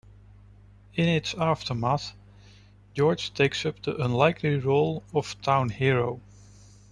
In its aftermath, George takes up the unlikely role of town hero.